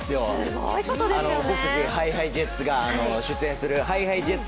僕たちＨｉＨｉＪｅｔｓが出演するＨｉＨｉＪｅｔｓ